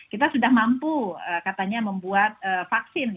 kita sudah mampu katanya membuat vaksin